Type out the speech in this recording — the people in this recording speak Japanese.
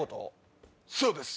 そうです！